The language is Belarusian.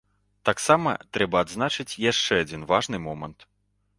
Таксама трэба адзначыць яшчэ адзін важны момант.